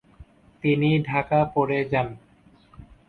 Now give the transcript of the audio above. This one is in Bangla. তিনি ঢাকা পড়ে যান।